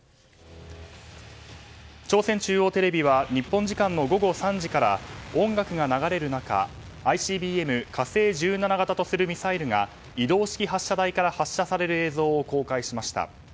朝鮮中央テレビは日本時間の午後３時から音楽が流れる中ＩＣＢＭ「火星１７型」とするミサイルが移動式発射台から発射される映像を公開しました。